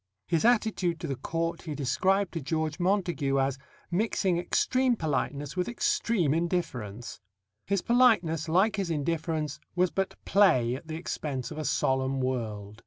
His attitude to the Court he described to George Montagu as "mixing extreme politeness with extreme indifference." His politeness, like his indifference, was but play at the expense of a solemn world.